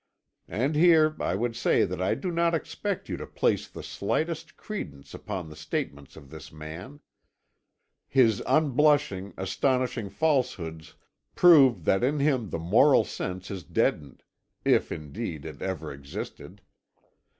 "And here I would say that I do not expect you to place the slightest credence upon the statements of this man. His unblushing, astonishing falsehoods prove that in him the moral sense is deadened, if indeed it ever existed.